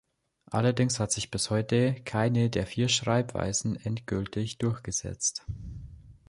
Allerdings hat sich bis heute keine der vier Schreibweisen endgültig durchgesetzt.